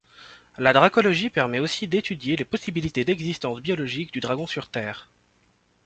La dracologie permet aussi d'étudier les possibilités d'existence biologique du dragon sur Terre.